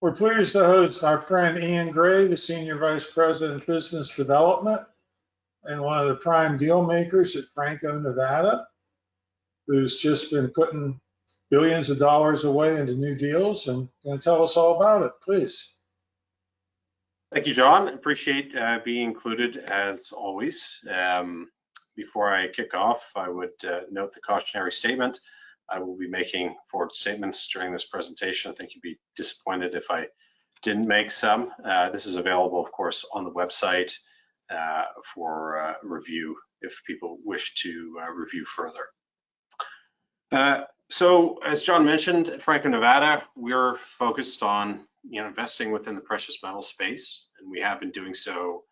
We're pleased to host our friend Eaun Gray, the Senior Vice President of Business Development and one of the prime dealmakers at Franco-Nevada, who's just been putting billions of dollars away into new deals. Tell us all about it, please. Thank you, John. I appreciate being included, as always. Before I kick off, I would note the cautionary statement: I will be making forward statements during this presentation. I think you'd be disappointed if I didn't make some. This is available, of course, on the website for review if people wish to review further. As John mentioned, at Franco-Nevada, we're focused on investing within the precious metal space, and we have been doing so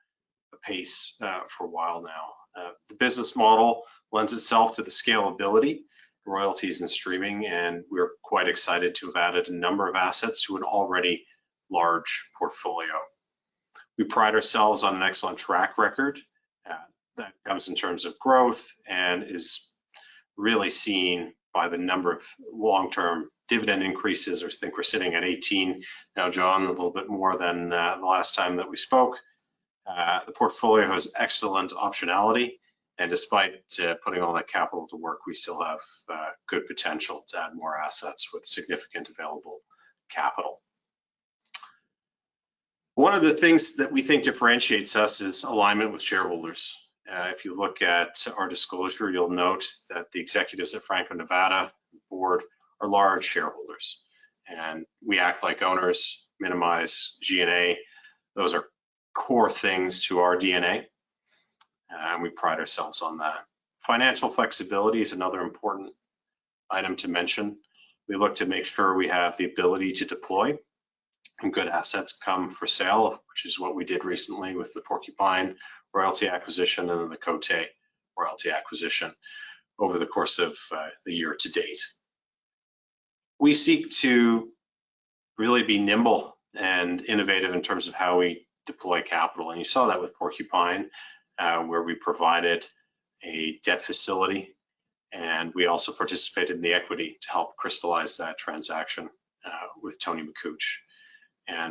at a pace for a while now. The business model lends itself to the scalability, royalties, and streaming, and we're quite excited to have added a number of assets to an already large portfolio. We pride ourselves on an excellent track record. That comes in terms of growth and is really seen by the number of long-term dividend increases. I think we're sitting at 18 now, John, a little bit more than the last time that we spoke. The portfolio has excellent optionality, and despite putting all that capital to work, we still have good potential to add more assets with significant available capital. One of the things that we think differentiates us is alignment with shareholders. If you look at our disclosure, you'll note that the executives at Franco-Nevada Board are large shareholders, and we act like owners, minimize G&A. Those are core things to our DNA, and we pride ourselves on that. Financial flexibility is another important item to mention. We look to make sure we have the ability to deploy good assets come for sale, which is what we did recently with the Porcupine royalty acquisition and the Côté royalty acquisition over the course of the year to date. We seek to really be nimble and innovative in terms of how we deploy capital, and you saw that with Porcupine, where we provided a debt facility, and we also participated in the equity to help crystallize that transaction with Tony Makuch.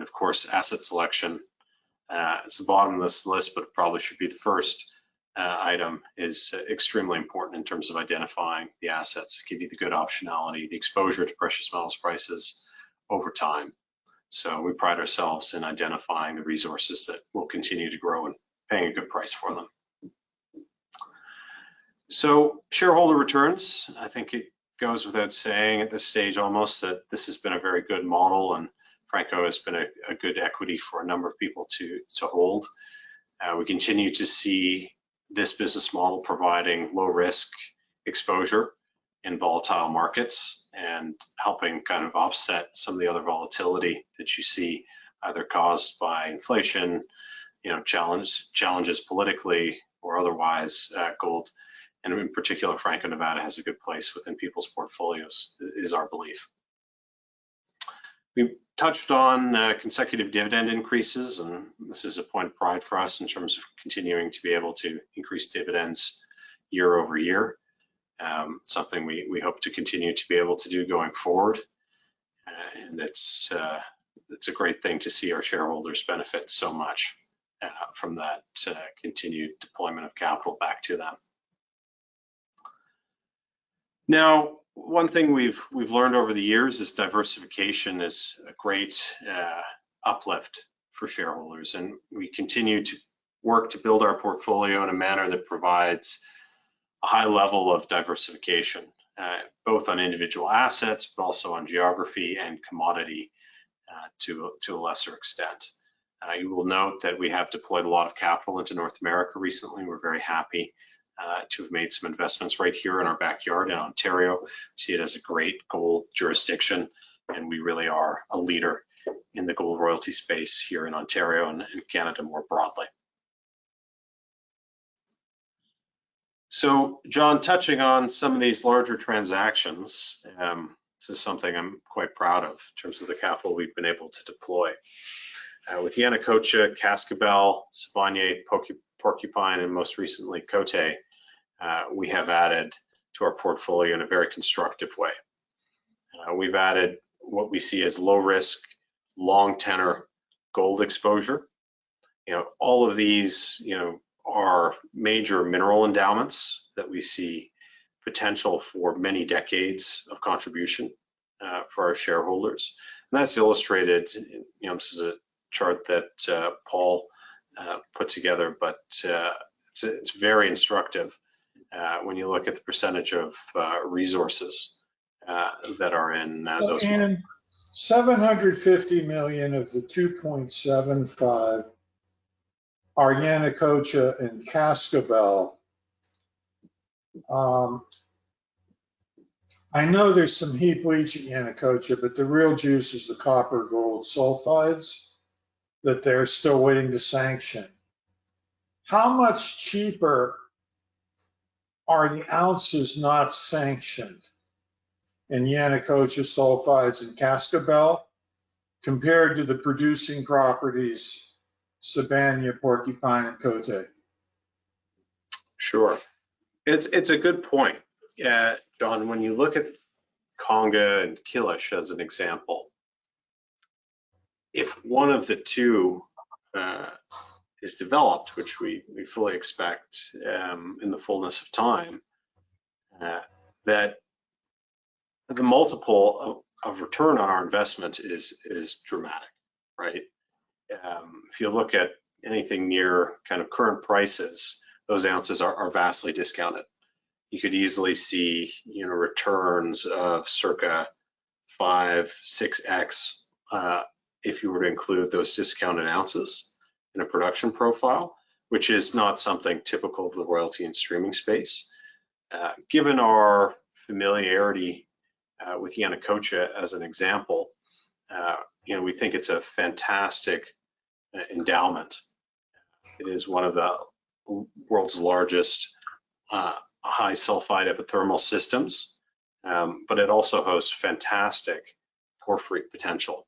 Of course, asset selection at the bottom of this list, but it probably should be the first item, is extremely important in terms of identifying the assets. It can be the good optionality, the exposure to precious metals prices over time. We pride ourselves in identifying the resources that will continue to grow and paying a good price for them. Shareholder returns, I think it goes without saying at this stage almost that this has been a very good model, and Franco has been a good equity for a number of people to hold. We continue to see this business model providing low-risk exposure in volatile markets and helping kind of offset some of the other volatility that you see either caused by inflation, challenges politically, or otherwise gold. In particular, Franco-Nevada has a good place within people's portfolios, is our belief. We touched on consecutive dividend increases, and this is a point of pride for us in terms of continuing to be able to increase dividends year over year, something we hope to continue to be able to do going forward. It is a great thing to see our shareholders benefit so much from that continued deployment of capital back to them. Now, one thing we've learned over the years is diversification is a great uplift for shareholders, and we continue to work to build our portfolio in a manner that provides a high level of diversification, both on individual assets, but also on geography and commodity to a lesser extent. You will note that we have deployed a lot of capital into North America recently. We're very happy to have made some investments right here in our backyard in Ontario. We see it as a great gold jurisdiction, and we really are a leader in the gold royalty space here in Ontario and Canada more broadly. John, touching on some of these larger transactions, this is something I'm quite proud of in terms of the capital we've been able to deploy. With Yanacochia, Cascabel, Sibanye, Porcupine, and most recently Côté, we have added to our portfolio in a very constructive way. We've added what we see as low-risk, long-tenor gold exposure. All of these are major mineral endowments that we see potential for many decades of contribution for our shareholders. That is illustrated in this is a chart that Paul put together, but it's very instructive when you look at the percentage of resources that are in those markets. Eaun, $750 million of the $2.75 billion are Yanacocha and Cascabel. I know there's some heap leach at Yanacocha, but the real juice is the copper-gold sulfides that they're still waiting to sanction. How much cheaper are the ounces not sanctioned in Yanacocha sulfides and Cascabel compared to the producing properties Sibanye, Porcupine, and Côté? Sure. It's a good point, John. When you look at Conga and Quillish as an example, if one of the two is developed, which we fully expect in the fullness of time, that the multiple of return on our investment is dramatic, right? If you look at anything near kind of current prices, those ounces are vastly discounted. You could easily see returns of circa 5x-6x if you were to include those discounted ounces in a production profile, which is not something typical of the royalty and streaming space. Given our familiarity with Yanacocha as an example, we think it's a fantastic endowment. It is one of the world's largest high sulfide epithermal systems, but it also hosts fantastic porphyry potential.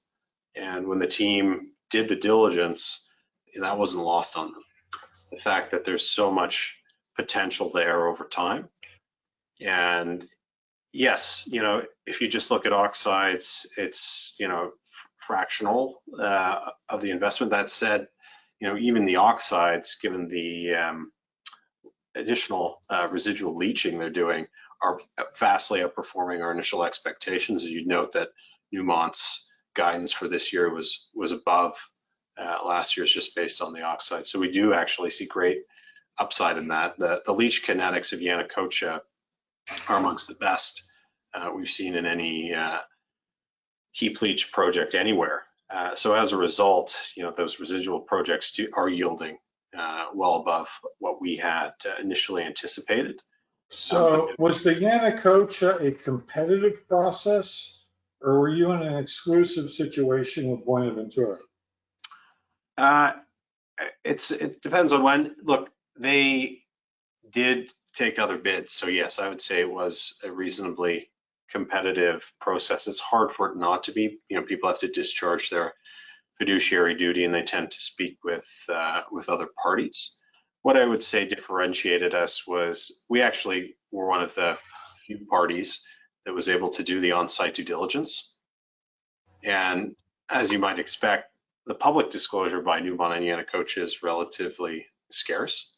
When the team did the diligence, that was not lost on them, the fact that there's so much potential there over time. Yes, if you just look at oxides, it's fractional of the investment. That said, even the oxides, given the additional residual leaching they're doing, are vastly outperforming our initial expectations. As you'd note, Newmont's guidance for this year was above last year's just based on the oxide. We do actually see great upside in that. The leach kinetics of Yanacocha are amongst the best we've seen in any heap leach project anywhere. As a result, those residual projects are yielding well above what we had initially anticipated. So was the Yanacocha a competitive process, or were you in an exclusive situation with Buenaventura? It depends on when. Look, they did take other bids. Yes, I would say it was a reasonably competitive process. It's hard for it not to be. People have to discharge their fiduciary duty, and they tend to speak with other parties. What I would say differentiated us was we actually were one of the few parties that was able to do the on-site due diligence. As you might expect, the public disclosure by Newmont and Yanacocha is relatively scarce,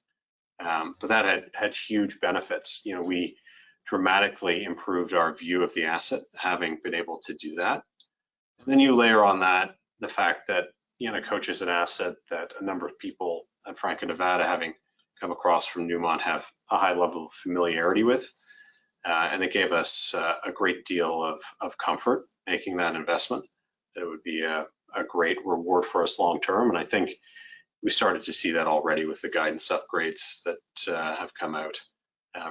but that had huge benefits. We dramatically improved our view of the asset, having been able to do that. You layer on that the fact that Yanacocha is an asset that a number of people at Franco-Nevada, having come across from Newmont, have a high level of familiarity with. It gave us a great deal of comfort making that investment. It would be a great reward for us long-term. I think we started to see that already with the guidance upgrades that have come out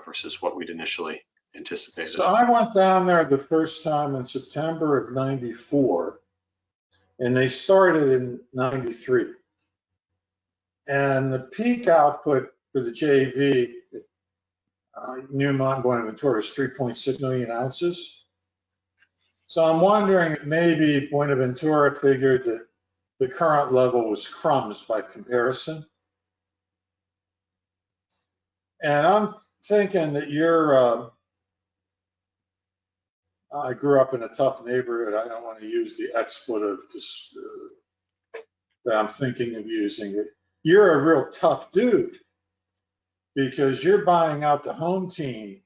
versus what we'd initially anticipated. I went down there the first time in September of 1994, and they started in 1993. The peak output for the JV at Newmont Buenaventura is 3.6 million ounces. I'm wondering if maybe Buenaventura figured that the current level was crumbs by comparison. I'm thinking that you're—I grew up in a tough neighborhood. I don't want to use the expletive that I'm thinking of using. You're a real tough dude because you're buying out the home team,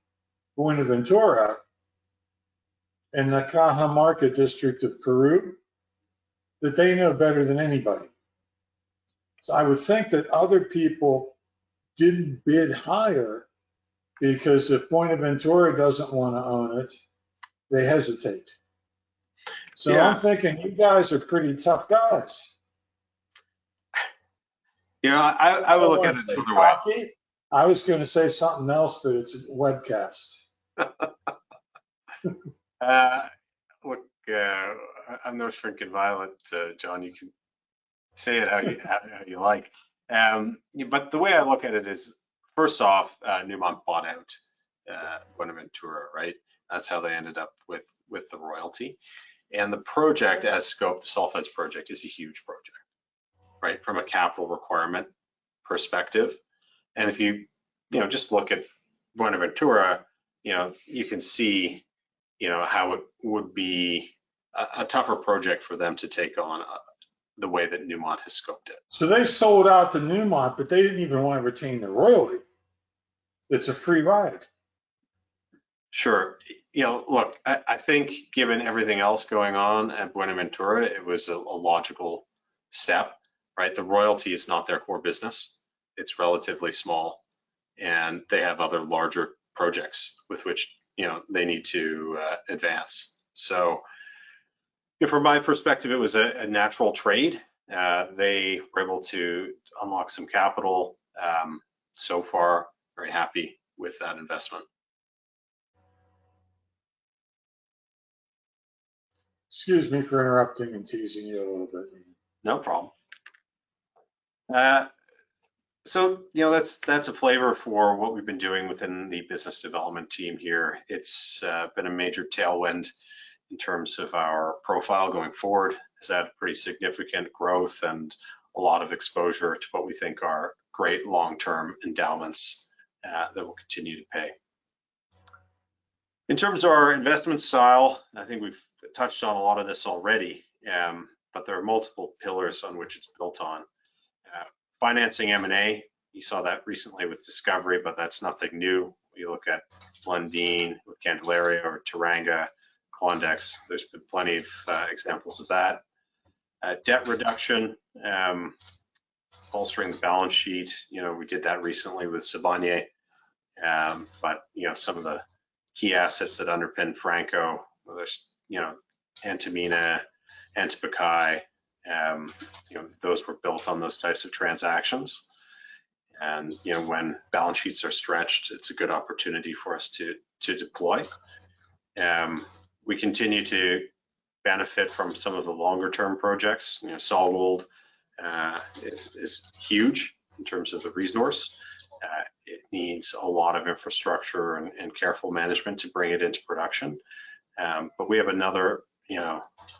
Buenaventura, in the Cajamarca district of Peru that they know better than anybody. I would think that other people did not bid higher because if Buenaventura does not want to own it, they hesitate. I'm thinking you guys are pretty tough guys. I will look at it another way. I was going to say something else, but it's a webcast. Look, I'm no shrinking violet, John. You can say it how you like. The way I look at it is, first off, Newmont bought out Buenaventura, right? That's how they ended up with the royalty. The project, as scoped, the sulfides project, is a huge project, right, from a capital requirement perspective. If you just look at Buenaventura, you can see how it would be a tougher project for them to take on the way that Newmont has scoped it. They sold out to Newmont, but they did not even want to retain the royalty. It is a free ride. Sure. Look, I think given everything else going on at Buenaventura, it was a logical step, right? The royalty is not their core business. It is relatively small, and they have other larger projects with which they need to advance. From my perspective, it was a natural trade. They were able to unlock some capital. So far, very happy with that investment. Excuse me for interrupting and teasing you a little bit. No problem. So that's a flavor for what we've been doing within the business development team here. It's been a major tailwind in terms of our profile going forward. It's had pretty significant growth and a lot of exposure to what we think are great long-term endowments that will continue to pay. In terms of our investment style, I think we've touched on a lot of this already, but there are multiple pillars on which it's built on. Financing M&A, you saw that recently with Discovery, but that's nothing new. You look at Lundin with Candelaria or Teranga, Klondex. There's been plenty of examples of that. Debt reduction, bolstering the balance sheet. We did that recently with Sibanye, but some of the key assets that underpinned Franco, there's Antamina, Antapaccay. Those were built on those types of transactions. When balance sheets are stretched, it's a good opportunity for us to deploy. We continue to benefit from some of the longer-term projects. SolGold is huge in terms of the resource. It needs a lot of infrastructure and careful management to bring it into production. We have another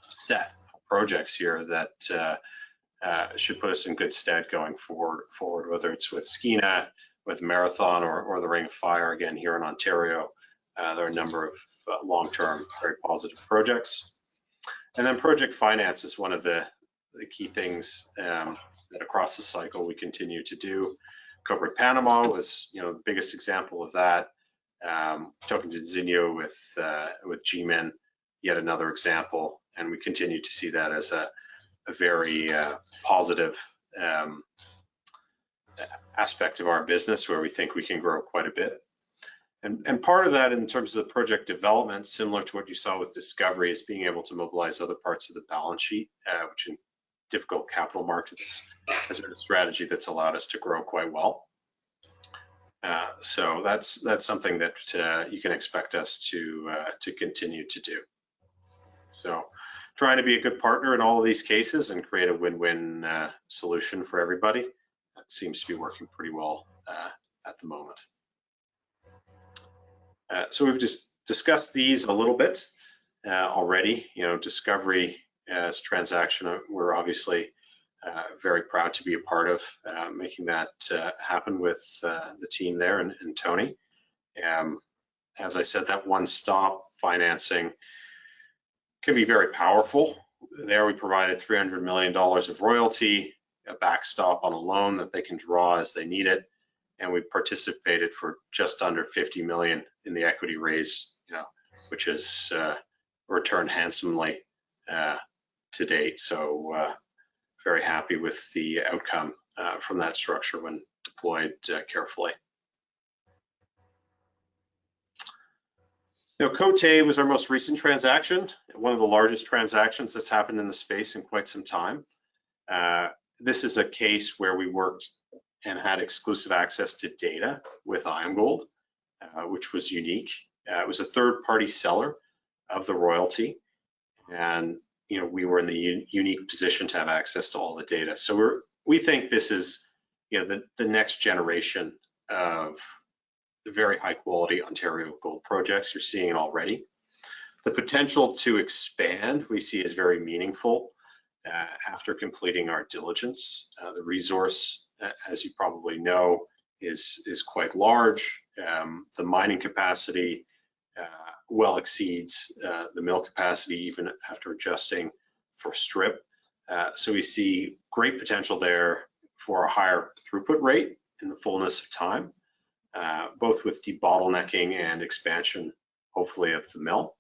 set of projects here that should put us in good stead going forward, whether it's with Skeena, with Marathon, or the Ring of Fire again here in Ontario. There are a number of long-term, very positive projects. Project finance is one of the key things that across the cycle we continue to do. Cobre Panamá was the biggest example of that. We are talking to Zinho with GMIN, yet another example. We continue to see that as a very positive aspect of our business where we think we can grow quite a bit. Part of that in terms of the project development, similar to what you saw with Discovery, is being able to mobilize other parts of the balance sheet, which in difficult capital markets has been a strategy that has allowed us to grow quite well. That is something that you can expect us to continue to do. Trying to be a good partner in all of these cases and create a win-win solution for everybody, that seems to be working pretty well at the moment. We have discussed these a little bit already. Discovery's transaction, we are obviously very proud to be a part of making that happen with the team there and Tony. As I said, that one-stop financing can be very powerful. There we provided $300 million of royalty, a backstop on a loan that they can draw as they need it. We participated for just under $50 million in the equity raise, which has returned handsomely to date. Very happy with the outcome from that structure when deployed carefully. Côté was our most recent transaction, one of the largest transactions that has happened in the space in quite some time. This is a case where we worked and had exclusive access to data with IAMGOLD, which was unique. It was a third-party seller of the royalty. We were in the unique position to have access to all the data. We think this is the next generation of very high-quality Ontario gold projects. You are seeing it already. The potential to expand we see is very meaningful after completing our diligence. The resource, as you probably know, is quite large. The mining capacity well exceeds the mill capacity even after adjusting for strip. We see great potential there for a higher throughput rate in the fullness of time, both with debottlenecking and expansion, hopefully, of the mill.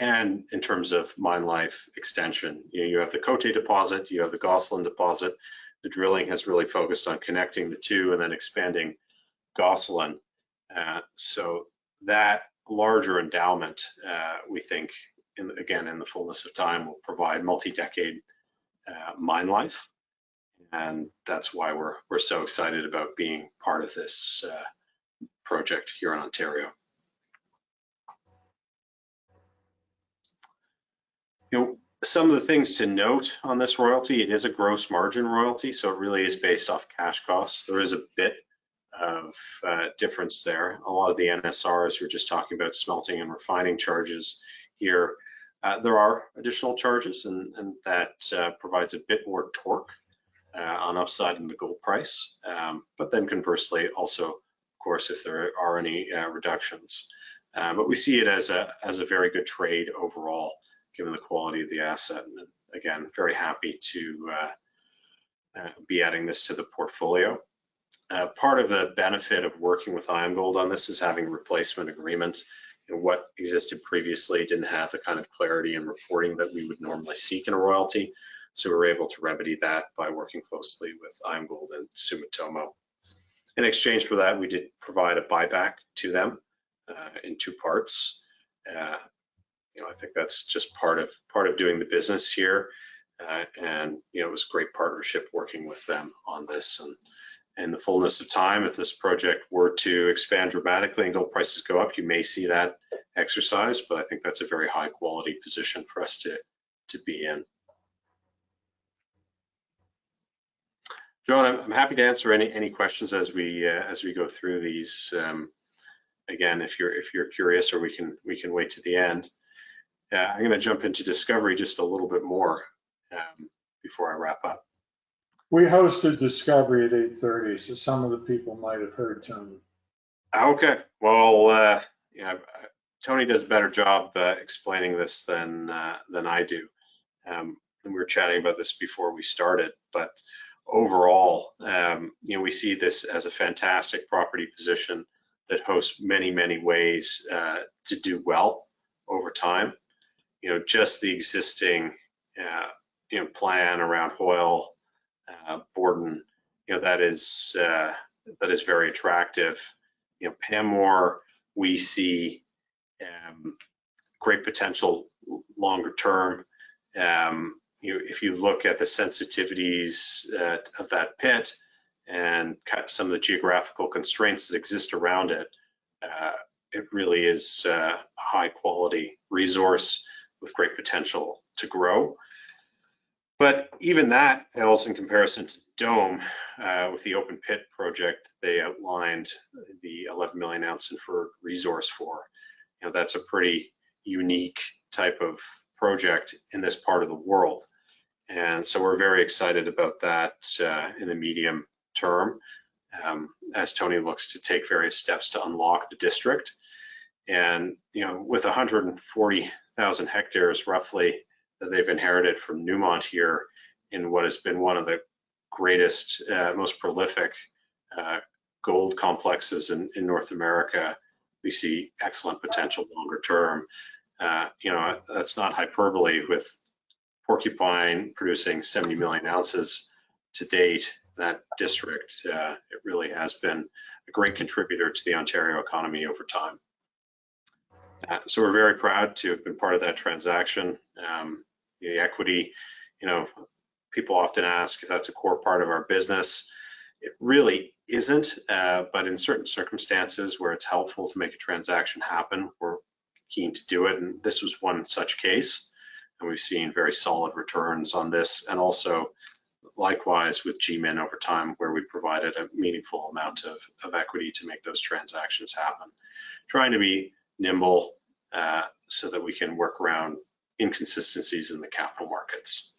In terms of mine life extension, you have the Côté deposit, you have the Goslin deposit. The drilling has really focused on connecting the two and then expanding Goslin. That larger endowment, we think, again, in the fullness of time will provide multi-decade mine life. That is why we are so excited about being part of this project here in Ontario. Some of the things to note on this royalty, it is a gross margin royalty, so it really is based off cash costs. There is a bit of difference there. A lot of the NSRs we were just talking about, smelting and refining charges here, there are additional charges, and that provides a bit more torque on upside in the gold price. Conversely, also, of course, if there are any reductions. We see it as a very good trade overall, given the quality of the asset. Again, very happy to be adding this to the portfolio. Part of the benefit of working with IAMGOLD on this is having replacement agreements. What existed previously did not have the kind of clarity and reporting that we would normally seek in a royalty. We were able to remedy that by working closely with IAMGOLD and Sumitomo. In exchange for that, we did provide a buyback to them in two parts. I think that is just part of doing the business here. It was a great partnership working with them on this. In the fullness of time, if this project were to expand dramatically and gold prices go up, you may see that exercise, but I think that's a very high-quality position for us to be in. John, I'm happy to answer any questions as we go through these. Again, if you're curious or we can wait to the end, I'm going to jump into Discovery just a little bit more before I wrap up. We hosted Discovery at 8:30, so some of the people might have heard Tony. Okay. Tony does a better job explaining this than I do. We were chatting about this before we started. Overall, we see this as a fantastic property position that hosts many, many ways to do well over time. Just the existing plan around Hoyle, Borden, that is very attractive. Pamour, we see great potential longer term. If you look at the sensitivities of that pit and some of the geographical constraints that exist around it, it really is a high-quality resource with great potential to grow. Even that, also in comparison to Dome with the open pit project they outlined the 11 million ounces for resource for, that is a pretty unique type of project in this part of the world. We are very excited about that in the medium term as Tony looks to take various steps to unlock the district. With 140,000 hectares roughly that they have inherited from Newmont here in what has been one of the greatest, most prolific gold complexes in North America, we see excellent potential longer term. That is not hyperbole with Porcupine producing 70 million ounces to date. That district really has been a great contributor to the Ontario economy over time. We are very proud to have been part of that transaction. The equity, people often ask if that is a core part of our business. It really is not, but in certain circumstances where it is helpful to make a transaction happen, we are keen to do it. This was one such case. We have seen very solid returns on this. Also, likewise with GMIN over time where we provided a meaningful amount of equity to make those transactions happen. Trying to be nimble so that we can work around inconsistencies in the capital markets.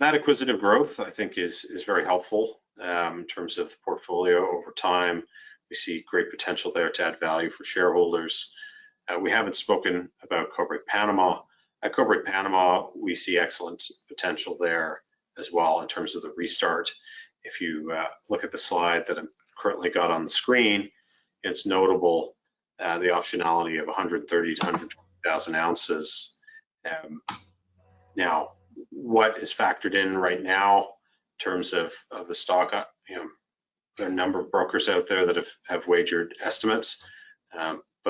That acquisitive growth, I think, is very helpful in terms of the portfolio over time. We see great potential there to add value for shareholders. We have not spoken about Cobre Panamá. At Cobre Panamá, we see excellent potential there as well in terms of the restart. If you look at the slide that I have currently got on the screen, it is notable the optionality of 130,000 ounces. Now, what is factored in right now in terms of the stock, there are a number of brokers out there that have wagered estimates.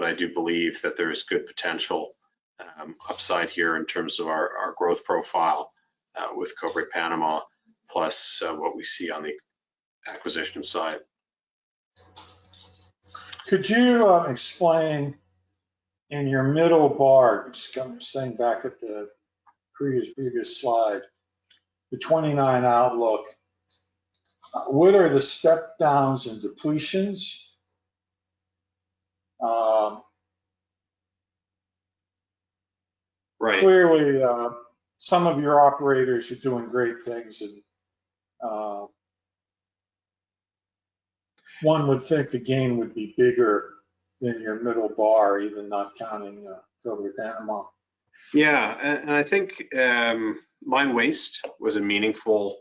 I do believe that there is good potential upside here in terms of our growth profile with Cobre Panamá plus what we see on the acquisition side. Could you explain in your middle bar, just kind of saying back at the previous slide, the 2029 outlook, what are the step-downs and depletions? Clearly, some of your operators are doing great things. One would think the gain would be bigger than your middle bar, even not counting Cobre Panamá. Yeah. I think mine waste was a meaningful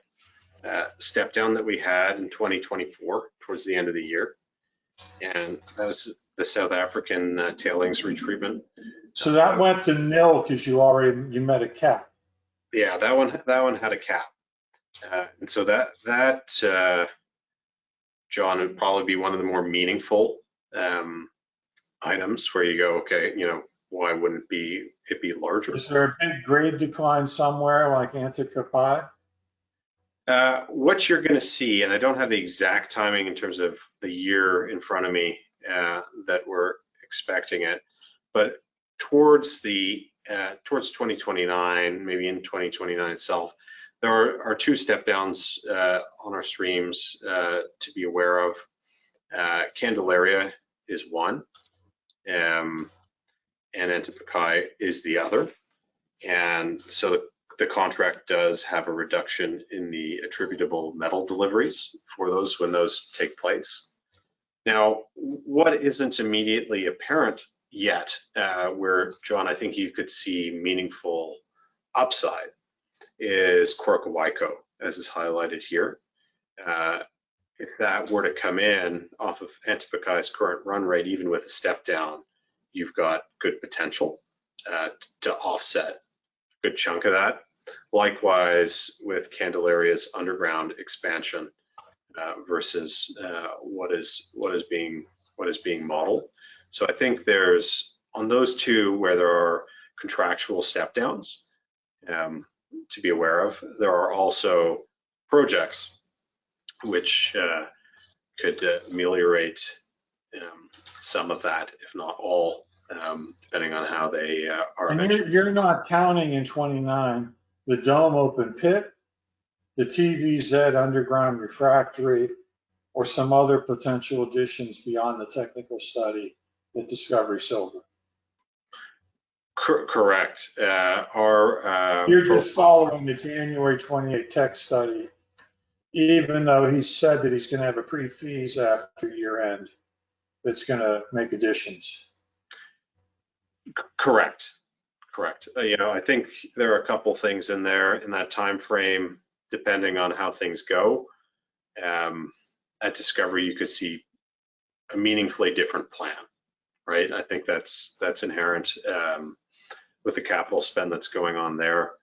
step-down that we had in 2024 towards the end of the year. That was the South African tailings retreatment. That went to nil because you met a cap. Yeah, that one had a cap. And so that, John, would probably be one of the more meaningful items where you go, "Okay, why wouldn't it be larger? Is there a big grade decline somewhere like Antamaki? What you're going to see, and I don't have the exact timing in terms of the year in front of me that we're expecting it, but towards 2029, maybe in 2029 itself, there are two step-downs on our streams to be aware of. Candelaria is one, and Antapaccay is the other. The contract does have a reduction in the attributable metal deliveries for those when those take place. Now, what isn't immediately apparent yet where, John, I think you could see meaningful upside is Crocowico, as is highlighted here. If that were to come in off of Antapaccay's current run rate, even with a step-down, you've got good potential to offset a good chunk of that. Likewise, with Candelaria's underground expansion versus what is being modeled. I think on those two where there are contractual step-downs to be aware of, there are also projects which could ameliorate some of that, if not all, depending on how they are measured. You're not counting in 2029 the Dome open pit, the TVZ underground refractory, or some other potential additions beyond the technical study at Discovery Silver. Correct. You're just following the January 2028 tech study, even though he said that he's going to have a pre-feas after year-end that's going to make additions. Correct. Correct. I think there are a couple of things in there in that timeframe, depending on how things go. At Discovery, you could see a meaningfully different plan, right? I think that's inherent with the capital spend that's going on there.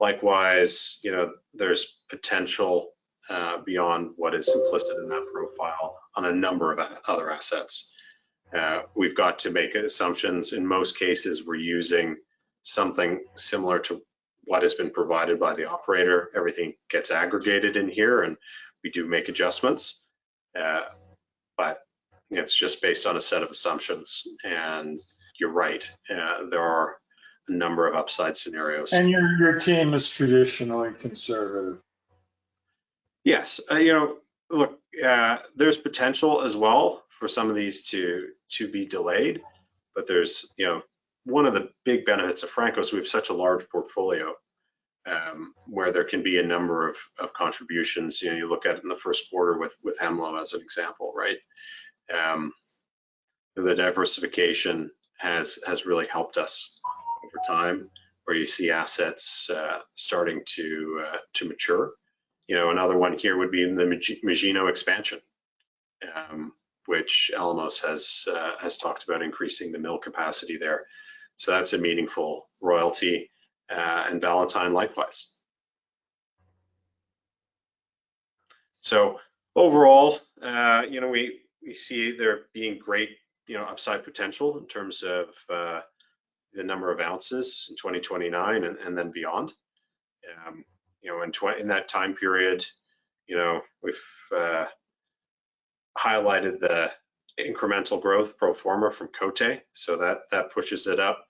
Likewise, there's potential beyond what is implicit in that profile on a number of other assets. We've got to make assumptions. In most cases, we're using something similar to what has been provided by the operator. Everything gets aggregated in here, and we do make adjustments. It is just based on a set of assumptions. You're right. There are a number of upside scenarios. Your team is traditionally conservative. Yes. Look, there's potential as well for some of these to be delayed. One of the big benefits of Franco is we have such a large portfolio where there can be a number of contributions. You look at it in the first quarter with Hemlo as an example, right? The diversification has really helped us over time where you see assets starting to mature. Another one here would be the Magino expansion, which Alamos has talked about increasing the mill capacity there. That's a meaningful royalty. Valentine likewise. Overall, we see there being great upside potential in terms of the number of ounces in 2029 and then beyond. In that time period, we've highlighted the incremental growth pro forma from Côté. That pushes it up,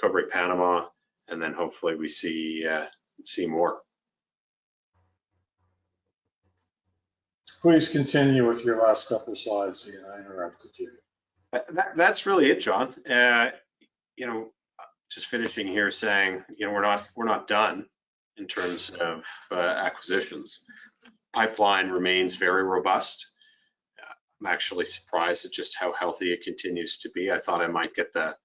Cobre Panamá, and then hopefully we see more. Please continue with your last couple of slides. I interrupted you. That's really it, John. Just finishing here saying we're not done in terms of acquisitions. Pipeline remains very robust. I'm actually surprised at just how healthy it continues to be. I thought I might get the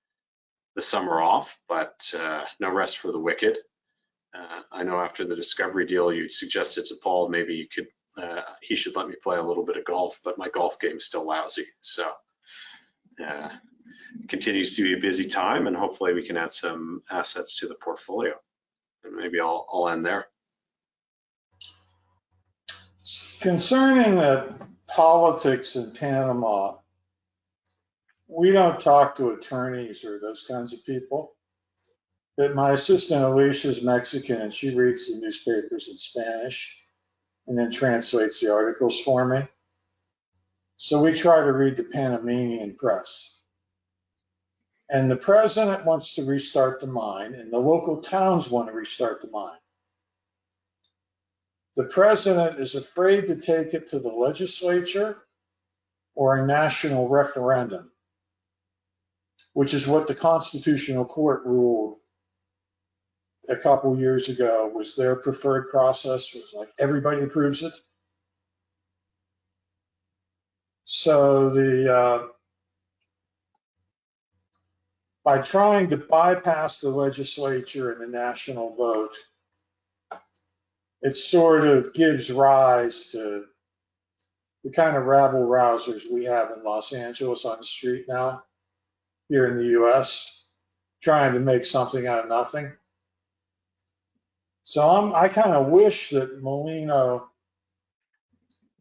summer off, but no rest for the wicked. I know after the Discovery deal, you suggested to Paul, maybe he should let me play a little bit of golf, but my golf game's still lousy. It continues to be a busy time, and hopefully we can add some assets to the portfolio. Maybe I'll end there. Concerning the politics in Panamá, we do not talk to attorneys or those kinds of people. My assistant, Alicia, is Mexican, and she reads the newspapers in Spanish and then translates the articles for me. We try to read the Panamánian press. The president wants to restart the mine, and the local towns want to restart the mine. The president is afraid to take it to the legislature or a national referendum, which is what the Constitutional Court ruled a couple of years ago was their preferred process. It was like everybody approves it. By trying to bypass the legislature and the national vote, it sort of gives rise to the kind of rabble-rousers we have in Los Angeles on the street now here in the U.S. trying to make something out of nothing. I kind of wish that Mulino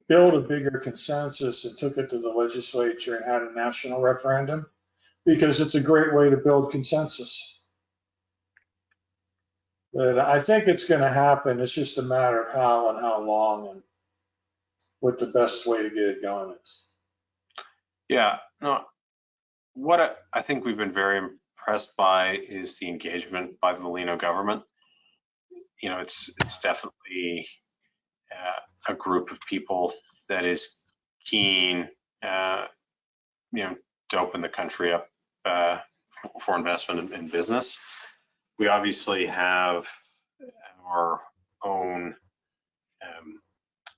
built a bigger consensus and took it to the legislature and had a national referendum because it's a great way to build consensus. I think it's going to happen. It's just a matter of how and how long and what the best way to get it going is. Yeah. What I think we've been very impressed by is the engagement by the Mulino government. It's definitely a group of people that is keen to open the country up for investment in business. We obviously have our own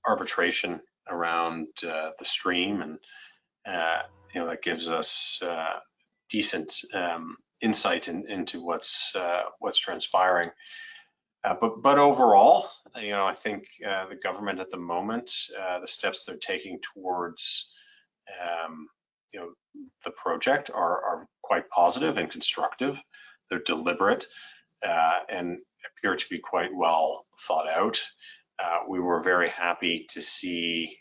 arbitration around the stream, and that gives us decent insight into what's transpiring. Overall, I think the government at the moment, the steps they're taking towards the project are quite positive and constructive. They're deliberate and appear to be quite well thought out. We were very happy to see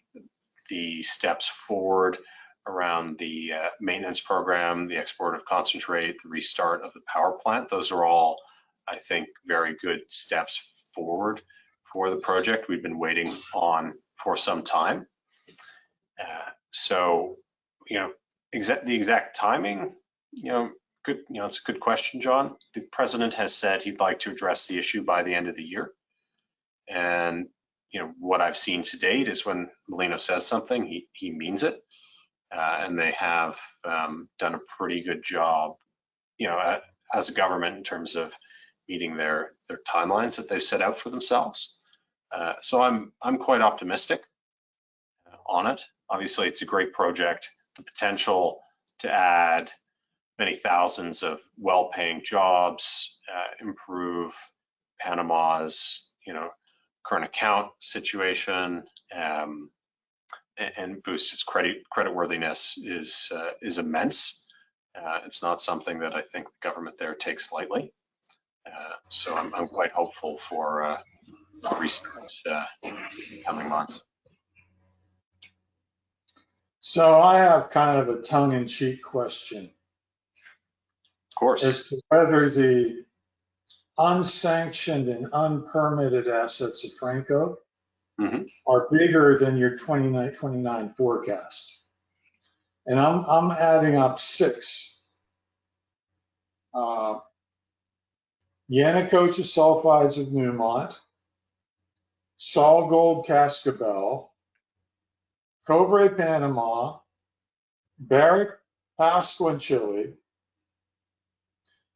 the steps forward around the maintenance program, the export of concentrate, the restart of the power plant. Those are all, I think, very good steps forward for the project we've been waiting on for some time. The exact timing, it's a good question, John. The president has said he'd like to address the issue by the end of the year. What I have seen to date is when Mulino says something, he means it. They have done a pretty good job as a government in terms of meeting their timelines that they have set out for themselves. I am quite optimistic on it. Obviously, it is a great project. The potential to add many thousands of well-paying jobs, improve Panamá's current account situation, and boost its creditworthiness is immense. It is not something that I think the government there takes lightly. I am quite hopeful for a restart in the coming months. I have kind of a tongue-in-cheek question. Of course. As to whether the unsanctioned and unpermitted assets of Franco are bigger than your 2029 forecast. I'm adding up six: Yanacocha sulfides of Newmont, SolGold Cascabel, Cobre Panamá, Barrick Pascua Chile,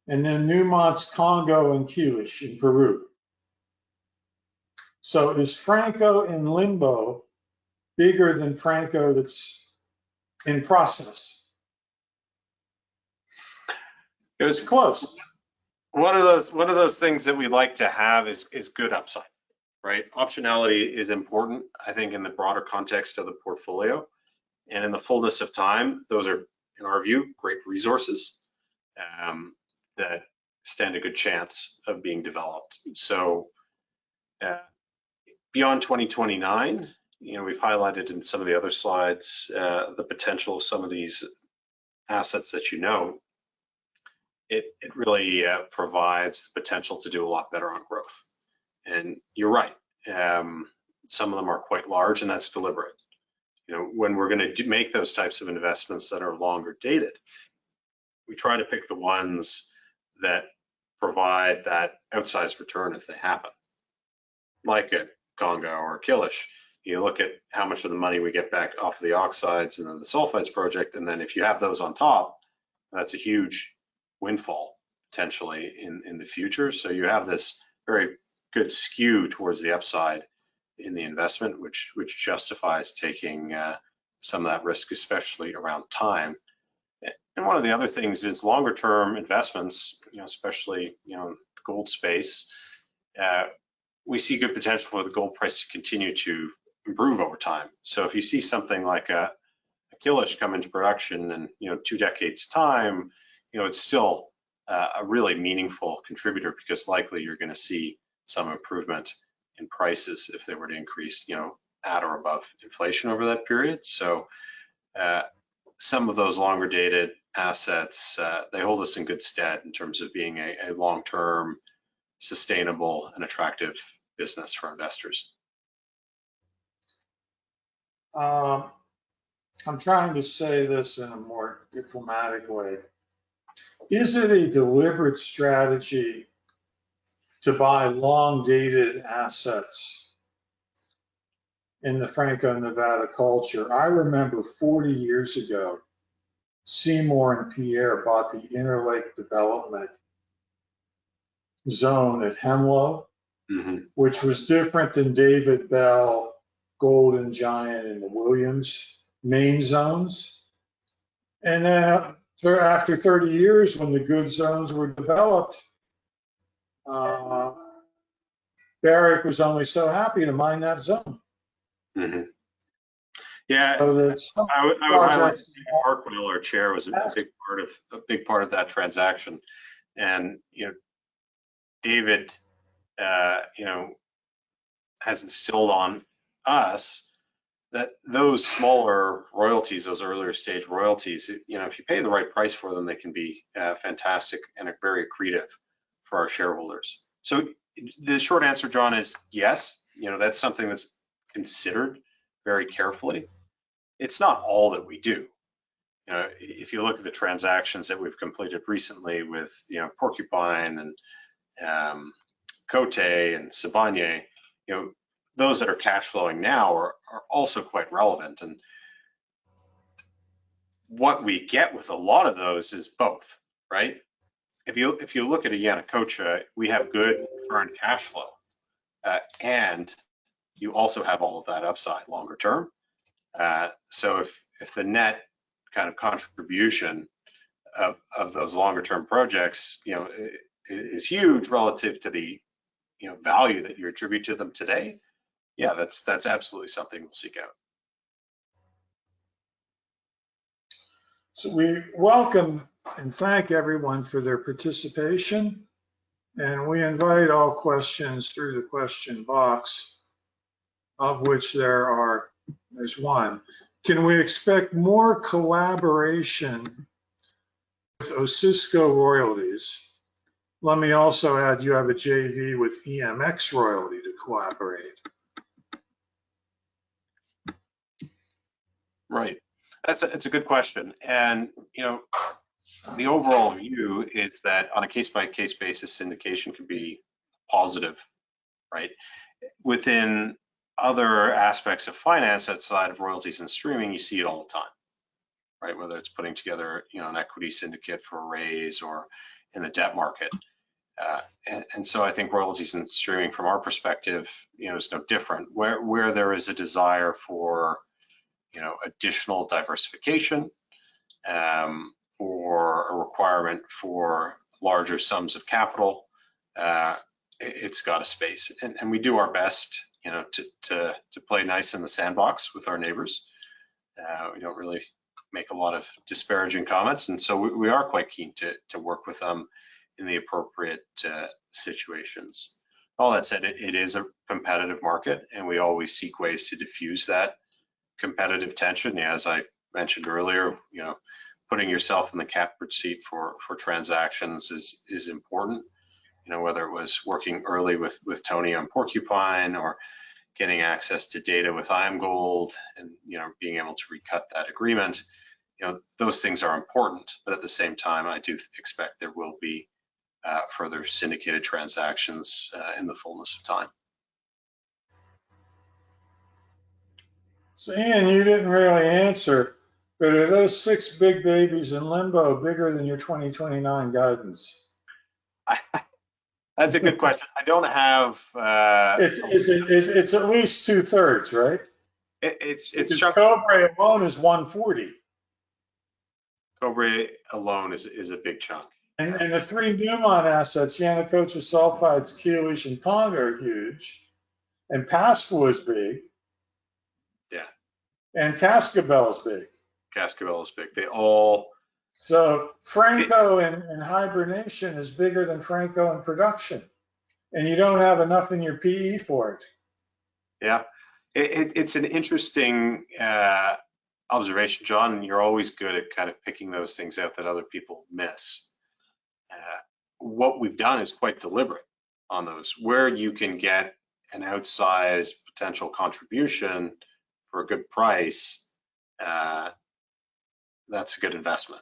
and then Newmont's Conga and Quillish in Peru. Is Franco in limbo bigger than Franco that's in process? It's close. One of those things that we'd like to have is good upside, right? Optionality is important, I think, in the broader context of the portfolio. In the fullness of time, those are, in our view, great resources that stand a good chance of being developed. Beyond 2029, we've highlighted in some of the other slides the potential of some of these assets that you know. It really provides the potential to do a lot better on growth. You're right. Some of them are quite large, and that's deliberate. When we're going to make those types of investments that are longer dated, we try to pick the ones that provide that outsized return if they happen, like at Conga or Quillish. You look at how much of the money we get back off of the oxides and then the sulfides project. If you have those on top, that's a huge windfall potentially in the future. You have this very good skew towards the upside in the investment, which justifies taking some of that risk, especially around time. One of the other things is longer-term investments, especially gold space. We see good potential for the gold price to continue to improve over time. If you see something like a Quillish come into production in two decades' time, it's still a really meaningful contributor because likely you're going to see some improvement in prices if they were to increase at or above inflation over that period. Some of those longer-dated assets, they hold us in good stead in terms of being a long-term, sustainable, and attractive business for investors. I'm trying to say this in a more diplomatic way. Is it a deliberate strategy to buy long-dated assets in the Franco-Nevada culture? I remember 40 years ago, Seymour and Pierre bought the Interlake Development zone at Hemlo, which was different than David Bell, Golden, Giant, and the Williams main zones. After 30 years, when the good zones were developed, Barrick was only so happy to mine that zone. Yeah. I would add that Mark, our Chair, was a big part of that transaction. And David has instilled on us that those smaller royalties, those earlier-stage royalties, if you pay the right price for them, they can be fantastic and very accretive for our shareholders. The short answer, John, is yes. That is something that is considered very carefully. It is not all that we do. If you look at the transactions that we have completed recently with Porcupine and Côté and Sibanye, those that are cash flowing now are also quite relevant. What we get with a lot of those is both, right? If you look at a Yanacocha, we have good current cash flow. You also have all of that upside longer term. If the net kind of contribution of those longer-term projects is huge relative to the value that you attribute to them today, yeah, that's absolutely something we'll seek out. We welcome and thank everyone for their participation. We invite all questions through the question box, of which there is one. Can we expect more collaboration with Osisko royalties? Let me also add you have a JV with EMX Royalty to collaborate. Right. That's a good question. The overall view is that on a case-by-case basis, syndication can be positive, right? Within other aspects of finance outside of royalties and streaming, you see it all the time, right? Whether it's putting together an equity syndicate for a raise or in the debt market. I think royalties and streaming, from our perspective, is no different. Where there is a desire for additional diversification or a requirement for larger sums of capital, it's got a space. We do our best to play nice in the sandbox with our neighbors. We do not really make a lot of disparaging comments. We are quite keen to work with them in the appropriate situations. All that said, it is a competitive market, and we always seek ways to diffuse that competitive tension. As I mentioned earlier, putting yourself in the capper seat for transactions is important. Whether it was working early with Tony on Porcupine or getting access to data with IAMGOLD and being able to recut that agreement, those things are important. At the same time, I do expect there will be further syndicated transactions in the fullness of time. Eaun, you didn't really answer, but are those six big babies in limbo bigger than your 2029 guidance? That's a good question. I don't have. It's at least two-thirds, right? It's true. Cobre alone is 140. Cobre alone is a big chunk. The three Newmont assets, Yanacocha sulfides, Quillish, and Conga are huge. Pascua is big. Yeah. Cascabel is big. Cascabel is big. They all. Franco in hibernation is bigger than Franco in production. You do not have enough in your PE for it. Yeah. It's an interesting observation, John. You're always good at kind of picking those things out that other people miss. What we've done is quite deliberate on those. Where you can get an outsized potential contribution for a good price, that's a good investment.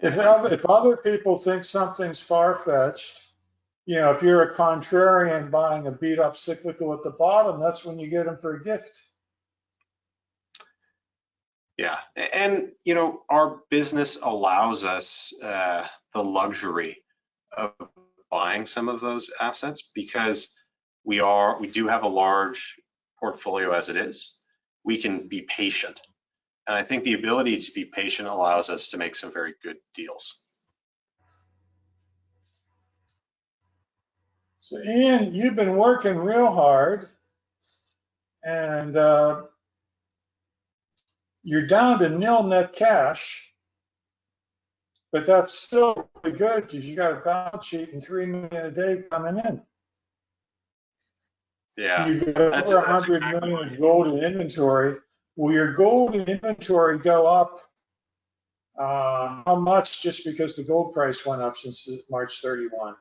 If other people think something's far-fetched, if you're a contrarian buying a beat-up cyclical at the bottom, that's when you get them for a gift. Yeah. Our business allows us the luxury of buying some of those assets because we do have a large portfolio as it is. We can be patient. I think the ability to be patient allows us to make some very good deals. Eaun, you've been working real hard. You're down to nil net cash, but that's still good because you got a balance sheet and $3 million a day coming in. Yeah. You've got over $100 million of gold in inventory. Will your gold in inventory go up how much just because the gold price went up since March 31?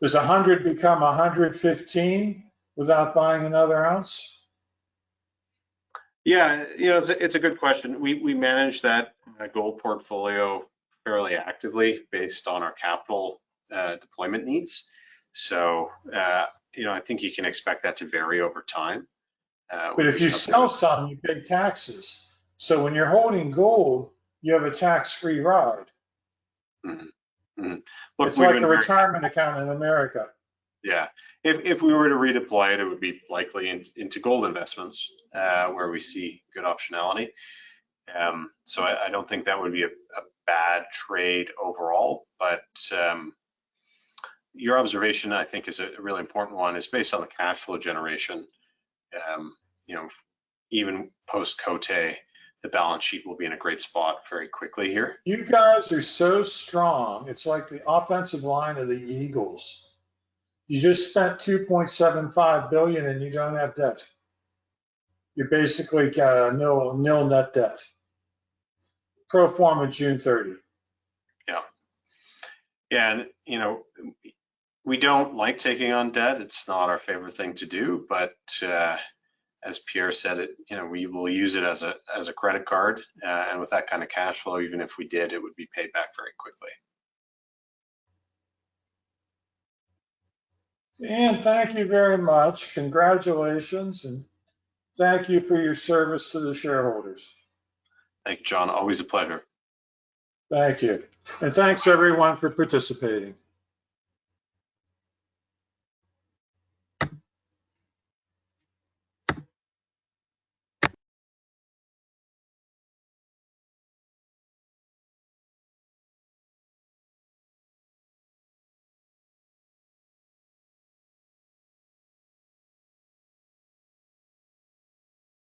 Does $100 million become $115 million without buying another ounce? Yeah. It's a good question. We manage that gold portfolio fairly actively based on our capital deployment needs. I think you can expect that to vary over time. If you sell something, you pay taxes. So when you're holding gold, you have a tax-free ride. Looks like a retirement. It's like a retirement account in America. Yeah. If we were to redeploy it, it would be likely into gold investments where we see good optionality. I do not think that would be a bad trade overall. Your observation, I think, is a really important one, is based on the cash flow generation. Even post-Côté, the balance sheet will be in a great spot very quickly here. You guys are so strong. It's like the offensive line of the Eagles. You just spent $2.75 billion, and you don't have debt. You basically got nil net debt. Pro forma June 30. Yeah. Yeah. We do not like taking on debt. It is not our favorite thing to do. As Pierre said, we will use it as a credit card. With that kind of cash flow, even if we did, it would be paid back very quickly. Eaun, thank you very much. Congratulations. Thank you for your service to the shareholders. Thank you, John. Always a pleasure. Thank you. Thank you, everyone, for participating.